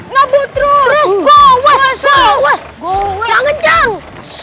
ngabuk terus go wassup yang kencang